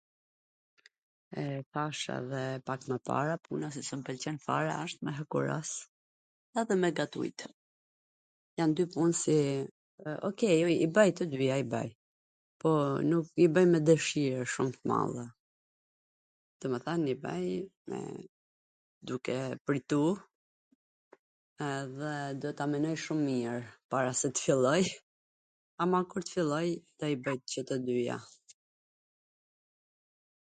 E thash edhe pak mw para, puna qw s mw pwlqen fare asht me hekuros, edhe me gatujt. Jan dy pun si OK i baj tw dyja i baj, po nuk i bwj me dwshir shum t madhe, domethan i bwj me, duke pwrtu edhe do ta menoj shum mir para se t filloj, ama kur t filloj do i bwj qw tw dyja.